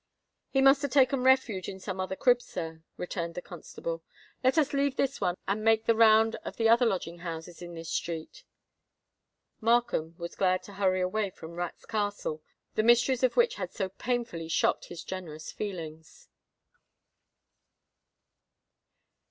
"He must have taken refuge in some other crib, sir," returned the constable. "Let us leave this one, and make the round of the other lodging houses in this street." Markham was glad to hurry away from Rats' Castle, the mysteries of which had so painfully shocked his generous feelings.